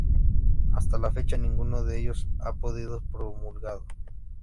Hasta la fecha ninguno de ellos ha sido promulgado.